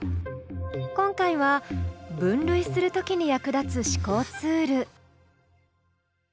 今回は分類するときに役立つ思考ツール。